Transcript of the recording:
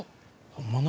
本物？